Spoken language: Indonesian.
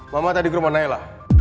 mama tadi ke rumah nela